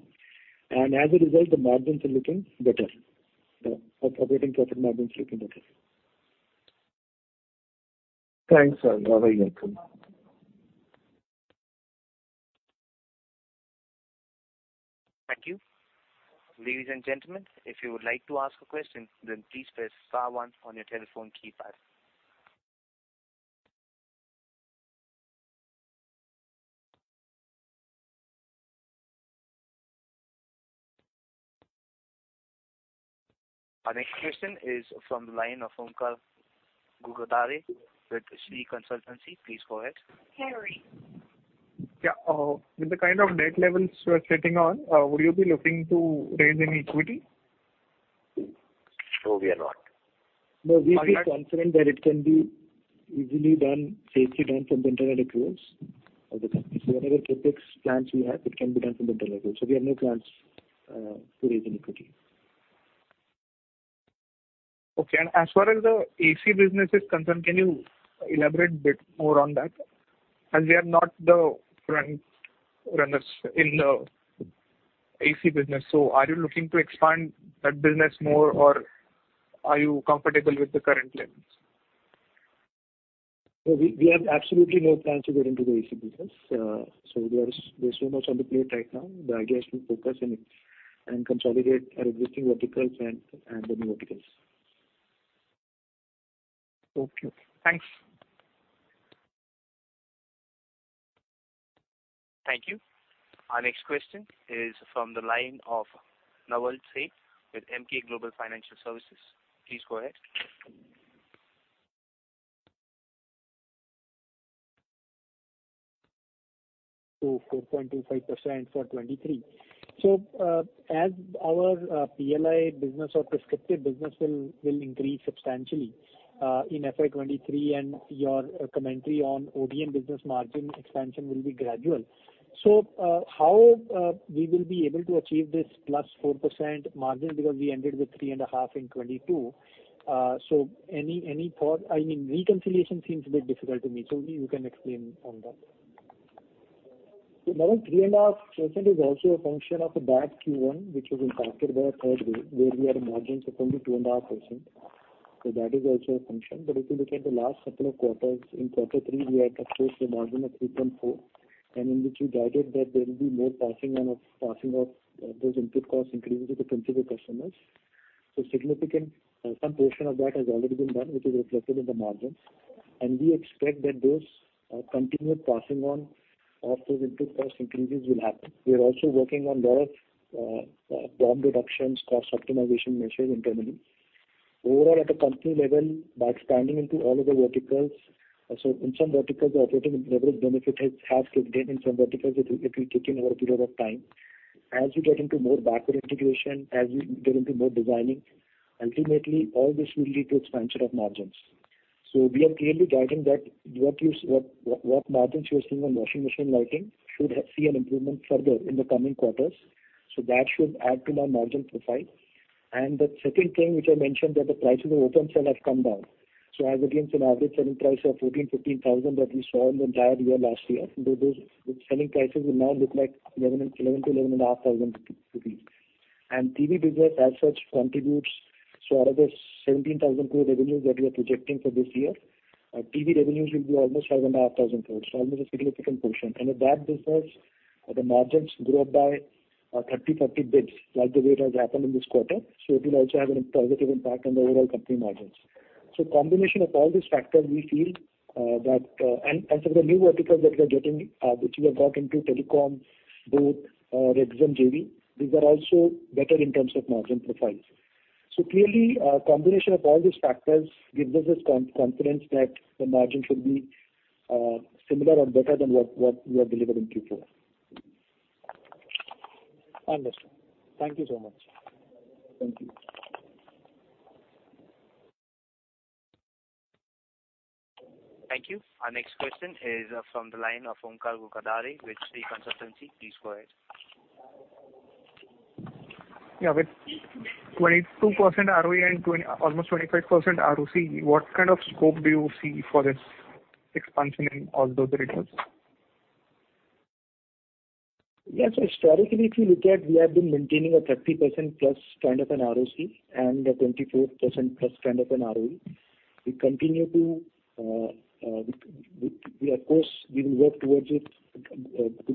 As a result, the margins are looking better. The operating profit margins looking better. Thanks, sir. You are very welcome. Thank you. Ladies and gentlemen, if you would like to ask a question then please press star one on your telephone keypad. Our next question is from the line of Omkar Gogadare with Sri Consultancy. Please go ahead. Yeah. With the kind of debt levels you are sitting on, would you be looking to raise any equity? No, we are not. No, we feel confident that it can be easily done, safely done from the internal accruals of the company. Whatever CapEx plans we have, it can be done from internal accruals. We have no plans to raise any equity. Okay. As far as the AC business is concerned, can you elaborate a bit more on that? As we are not the frontrunners in the AC business, so are you looking to expand that business more, or are you comfortable with the current levels? We have absolutely no plans to get into the AC business. There's so much on the plate right now. The idea is to focus and consolidate our existing verticals and the new verticals. Okay, thanks. Thank you. Our next question is from the line of Naval Seth with Emkay Global Financial Services. Please go ahead. To 4.25% for 2023. As our PLI business or OEM business will increase substantially in FY 2023 and your commentary on ODM business margin expansion will be gradual. How we will be able to achieve this +4% margin? Because we ended with 3.5% in 2022. Any thought? I mean, reconciliation seems a bit difficult to me. If you can explain on that. Naval, 3.5% is also a function of a bad Q1, which was impacted by a third wave, where we had margins of only 2.5%. That is also a function. If you look at the last couple of quarters, in quarter three we had achieved a margin of 3.4%, and in which we guided that there will be more passing of those input cost increases to principal customers. Significant, some portion of that has already been done, which is reflected in the margins. We expect that those continued passing on of those input cost increases will happen. We are also working on lot of cost reductions, cost optimization measures internally. Overall at a company level, by expanding into all other verticals. In some verticals, the operating leverage benefit has kicked in. In some verticals, it will kick in over a period of time. As we get into more backward integration, as we get into more designing, ultimately all this will lead to expansion of margins. We are clearly guiding that what margins you're seeing on washing machine loading should see an improvement further in the coming quarters. That should add to our margin profile. The second thing which I mentioned that the prices of open cell have come down. As against an average selling price of 14,000-15,000 that we saw in the entire year last year, those selling prices will now look like 11,000-11,500 rupees. TV business as such contributes. Out of those 17,000 crore revenues that we are projecting for this year, TV revenues will be almost 5,500 crore. Almost a significant portion. If that business, the margins grow up by 30-40 basis points, like the way it has happened in this quarter, it will also have a positive impact on the overall company margins. Combination of all these factors, we feel, that for the new verticals that we are getting, which we have got into telecom, boAt, Rexxam JV, these are also better in terms of margin profiles. Clearly, combination of all these factors gives us this confidence that the margin should be similar or better than what we have delivered in Q4. Understood. Thank you so much. Thank you. Thank you. Our next question is from the line of Omkar Gogadare with Sri Consultancy. Please go ahead. Yeah. With 22% ROE and almost 25% ROCE, what kind of scope do you see for this expansion in all the other areas? Yes. Historically, if you look at, we have been maintaining a 30%+ kind of an ROCE and a 24%+ kind of an ROE. We continue to, we of course will work towards it,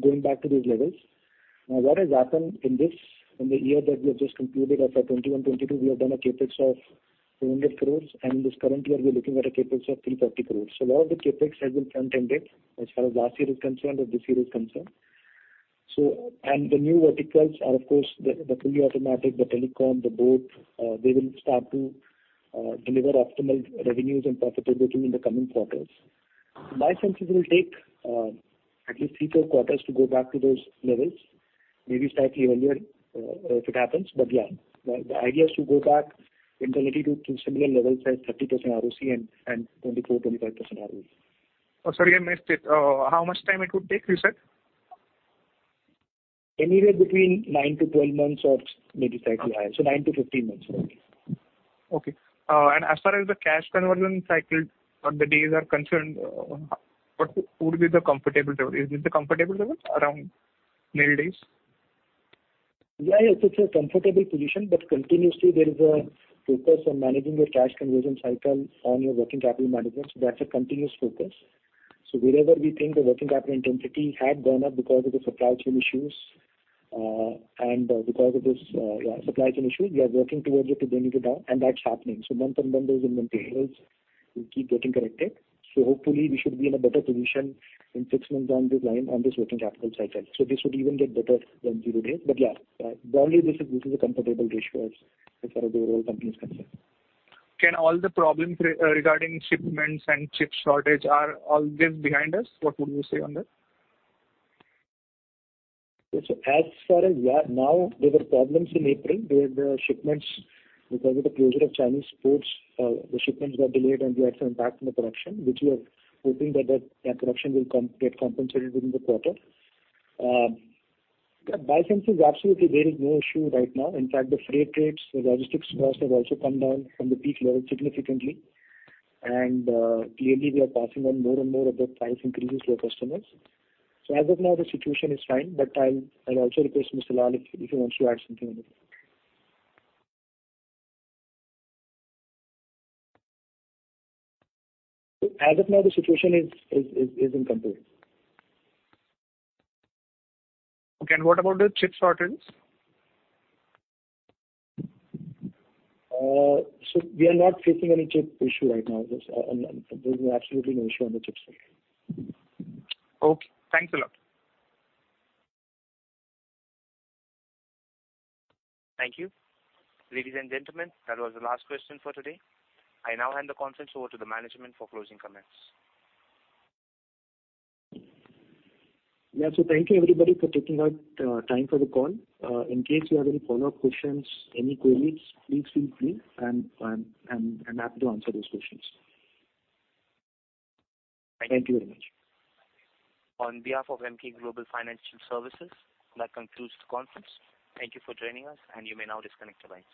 going back to those levels. Now, what has happened in this, in the year that we have just completed, as for 2021-2022, we have done a CapEx of 400 crores, and this current year we're looking at a CapEx of 330 crores. Lot of the CapEx has been front-ended as far as last year is concerned or this year is concerned. The new verticals are of course the fully automatic, the telecom, the boAt, they will start to deliver optimal revenues and profitability in the coming quarters. My sense is it will take at least three to four quarters to go back to those levels. Maybe slightly earlier, if it happens. Yeah, the idea is to go back internally to similar levels as 30% ROCE and 24%-25% ROE. Oh, sorry, I missed it. How much time it would take, you said? Anywhere between nine-12 months or maybe slightly higher. Nine to 15 months roughly. Okay. As far as the cash conversion cycle or the days are concerned, what would be the comfortable level? Is this the comfortable level around 90 days? It's a comfortable position, but continuously there is a focus on managing your cash conversion cycle on your working capital management, so that's a continuous focus. Wherever we think the working capital intensity had gone up because of the supply chain issues, and because of this, supply chain issue, we are working towards it to bring it down, and that's happening. Month-on-month those inventory levels will keep getting corrected. Hopefully we should be in a better position in six months down the line on this working capital cycle. This would even get better than zero days. Broadly this is a comfortable ratio as far as the overall company is concerned. Can all the problems regarding shipments and chip shortage are all just behind us? What would you say on that? As far as we are now, there were problems in April during the shipments because of the closure of Chinese ports. The shipments were delayed, and we had some impact in the production, which we are hoping production will get compensated during the quarter. My sense is absolutely there is no issue right now. In fact, the freight rates, the logistics costs have also come down from the peak level significantly. Clearly we are passing on more and more of those price increases to our customers. As of now, the situation is fine. I'll also request Mr. Lall if he wants to add something on this. As of now, the situation is in control. Okay. What about the chip shortage? We are not facing any chip issue right now. There's absolutely no issue on the chip side. Okay. Thanks a lot. Thank you. Ladies and gentlemen, that was the last question for today. I now hand the conference over to the management for closing comments. Yeah. Thank you everybody for taking out time for the call. In case you have any follow-up questions, any queries, please feel free. I'm happy to answer those questions. Thank you. Thank you very much. On behalf of Emkay Global Financial Services, that concludes the conference. Thank you for joining us, and you may now disconnect your lines.